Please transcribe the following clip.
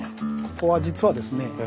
ここは実はですね